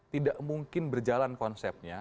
tidak mungkin berjalan konsepnya